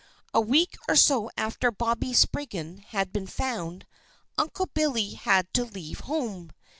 A week or so after Bobby Spriggan had been found, Uncle Billy had to leave home.